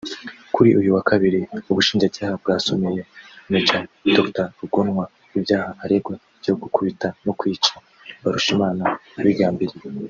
Kuri uyu wa kabiri Ubushinjacyaha bwasomeye Maj Dr Rugomwa ibyaha aregwa byo gukubita no kwica Mbarushimana abigambiriye